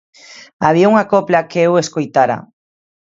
Había unha copla que eu escoitara.